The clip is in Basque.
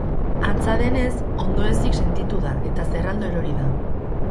Antza denez, ondoezik sentitu da, eta zerraldo erori da.